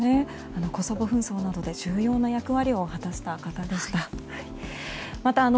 コソボ紛争などで重要な役割を果たした方でした。